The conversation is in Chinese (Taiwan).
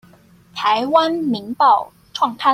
臺灣民報創刊